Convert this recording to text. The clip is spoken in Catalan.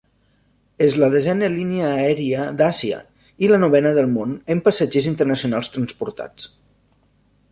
És la desena línia aèria d'Àsia i la novena del món en passatgers internacionals transportats.